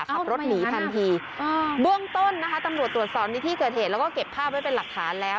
ขับรถหนีทันทีเบื้องต้นนะคะตำรวจตรวจสอบในที่เกิดเหตุแล้วก็เก็บภาพไว้เป็นหลักฐานแล้ว